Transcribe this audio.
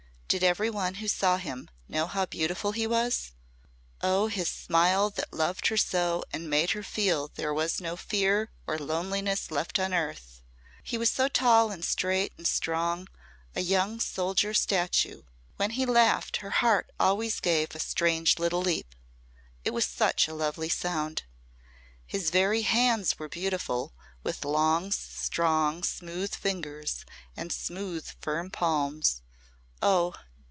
Did every one who saw him know how beautiful he was? Oh his smile that loved her so and made her feel there was no fear or loneliness left on earth! He was so tall and straight and strong a young soldier statue! When he laughed her heart always gave a strange little leap. It was such a lovely sound. His very hands were beautiful with long, strong smooth fingers and smooth firm palms. Oh!